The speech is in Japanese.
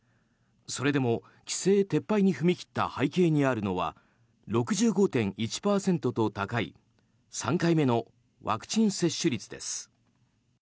それでも規制撤廃に踏み切った背景にあるのは６５．１％と高い３回目のワクチン接種率です。